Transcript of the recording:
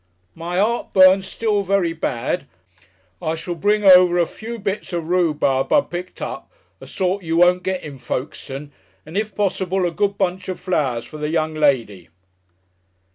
"My heartburn still very bad. I shall bring over a few bits of rhubub I picked up, a sort you won't get in Folkestone and if possible a good bunch of flowers for the young lady."